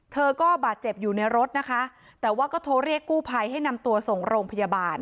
เธอก็บาดเจ็บอยู่ในรถนะคะแต่ว่าก็โทรเรียกกู้ภัยให้นำตัวส่งโรงพยาบาล